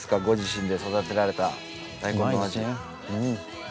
ご自身で育てられた。